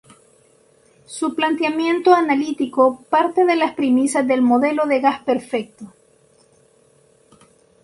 Su planteamiento analítico parte de las premisas del modelo de gas perfecto.